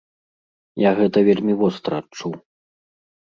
Я гэта вельмі востра адчуў.